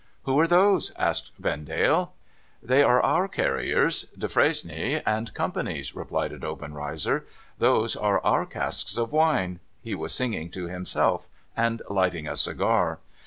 ' Who are those ?' asked Vendale. ' They are our carriers — Defresnier and Company's,' replied Obenreizer. ' Those are our casks of wine.' He was singing to himself, and lighting a cigar.